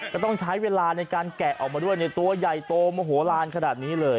ก็ต้องใช้เวลาในการแกะออกมาด้วยในตัวใหญ่โตโมโหลานขนาดนี้เลย